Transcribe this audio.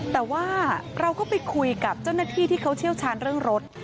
แต่ว่าเราก็ไปคุยกับเจ้าหน้าที่ที่เขาเชี่ยวชาญเรื่องรถ